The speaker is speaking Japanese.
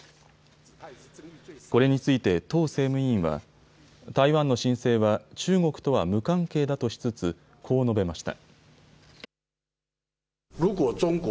これについてとう政務委員は、台湾の申請は中国とは無関係だとしつつこう述べました。